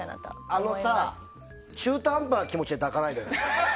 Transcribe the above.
あのさ、中途半端な気持ちで抱かないでよね！